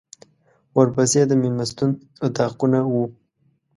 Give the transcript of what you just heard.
ورپسې د مېلمستون اطاقونه وو.